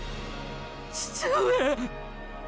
父上！